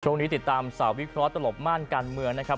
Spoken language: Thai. ติดตามสาววิเคราะห์ตลบม่านการเมืองนะครับ